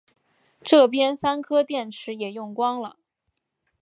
这边三颗电池也用光了